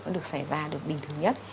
được xảy ra được bình thường nhất